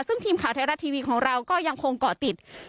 ซึ่งทีมข่าวไทยรัฐทีวีของเราก็ยังคงเกาะติด